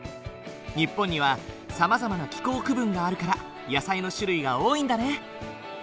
日本にはさまざまな気候区分があるから野菜の種類が多いんだね。